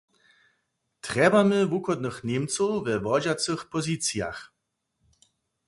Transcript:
Trjebamy wuchodnych Němcow we wodźacych pozicijach.